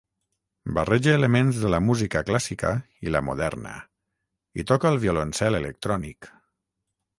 Barreja elements de la música clàssica i la moderna i toca el violoncel electrònic.